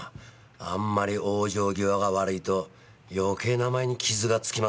あんまり往生際が悪いと余計名前に傷がつきますよ。